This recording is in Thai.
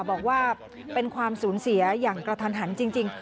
บอกว่าเป็นความสูญเสียอย่างกระทันหันจริง